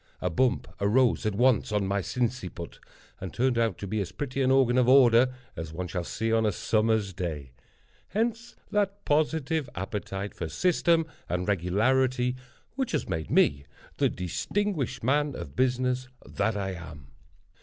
A bump arose at once on my sinciput, and turned out to be as pretty an organ of order as one shall see on a summer's day. Hence that positive appetite for system and regularity which has made me the distinguished man of business that I am.